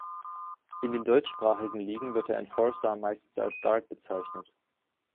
In den deutschsprachigen Ligen wird der Enforcer meistens als Guard bezeichnet.